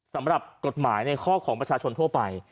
สำหรับกฎหมายในข้อของประชาชนทั่วไป